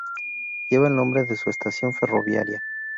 Lleva el nombre de su estación ferroviaria.